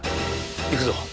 行くぞ。